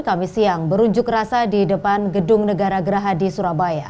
kami siang berunjuk rasa di depan gedung negara geraha di surabaya